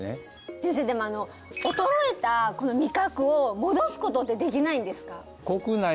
先生でも衰えたこの味覚を戻すことってできないんですか？